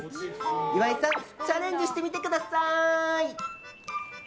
岩井さんチャレンジしてみてください！